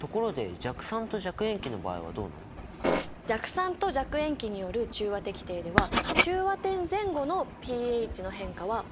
弱酸と弱塩基による中和滴定では中和点前後のｐＨの変化はわずかしかないんだ。